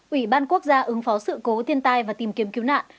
ủy ban quốc gia ứng phó sự cố thiên tai và tìm kiếm cứu nạn